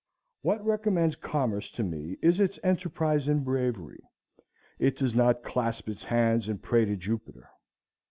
What recommends commerce to me is its enterprise and bravery. It does not clasp its hands and pray to Jupiter.